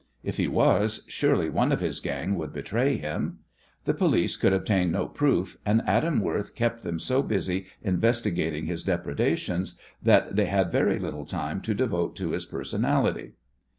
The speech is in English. If he was, surely one of his gang would betray him? The police could obtain no proof, and Adam Worth kept them so busy investigating his depredations that they had very little time to devote to his personality.